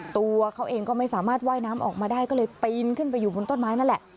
ตัวเขาเองก็ไม่สามารถว่ายน้ำออกมาได้ก็เลยปีนขึ้นไปอยู่บนต้นไม้นั่นแหละ